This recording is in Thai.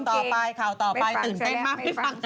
ข่าวต่อไปข่าวต่อไปตื่นเต้นมาก